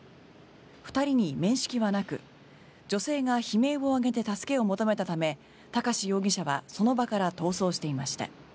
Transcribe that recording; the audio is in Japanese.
２人に面識はなく、女性が悲鳴を上げて助けを求めたため高師容疑者はその場から逃走していました。